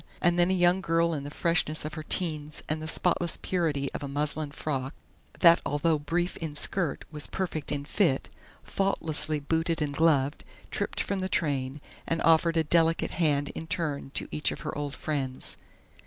And then a young girl in the freshness of her teens and the spotless purity of a muslin frock that although brief in skirt was perfect in fit, faultlessly booted and gloved, tripped from the train, and offered a delicate hand in turn to each of her old friends.